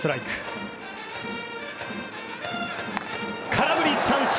空振り三振！